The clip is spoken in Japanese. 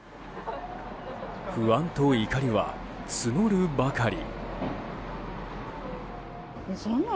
不安と怒りは募るばかり。